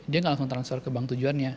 dia nggak langsung transfer ke bank tujuannya